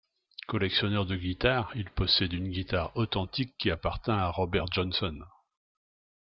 Collectionneur de guitares, il possède une guitare authentique qui appartint à Robert Johnson.